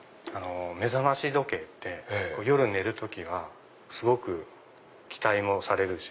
目覚まし時計って夜寝る時はすごく期待される。